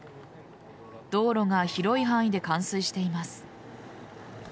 道路が広い範囲で冠水しています。